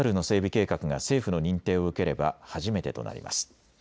計画が政府の認定を受ければ初めてとなります。